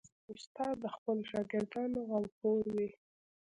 استاد د خپلو شاګردانو غمخور وي.